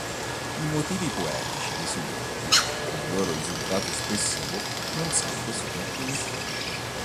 I motivi poetici dei sonetti e il loro risultato espressivo non sempre sono uniformi.